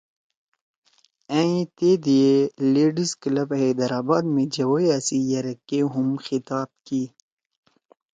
ائں تے دی ئے تی لیڈیز کلب حیدرآباد می جوَئیا سی یرک کے ہُم خطاب کی